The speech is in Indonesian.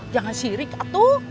jangan sirik atu